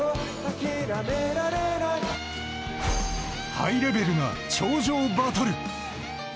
ハイレベルな頂上バトル。